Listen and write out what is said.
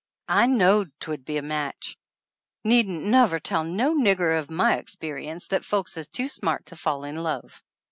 "I knowed 'twould be a match! Needn't nuwer tell no nigger of my experience that folks is too smart to fall in love!